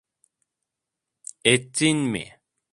Ettin mi?